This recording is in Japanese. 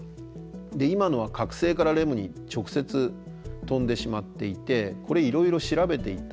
今のは覚醒からレムに直接飛んでしまっていてこれいろいろ調べていったらですね